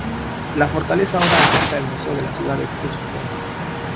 La fortaleza ahora alberga el Museo de la ciudad de Kufstein.